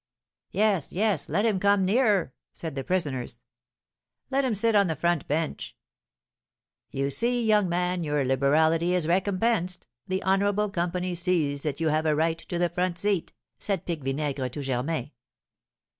"Yes, yes; let him come nearer," said the prisoners. "Let him sit on the front bench." "You see, young man, your liberality is recompensed; the honourable company sees that you have a right to the front seat," said Pique Vinaigre to Germain.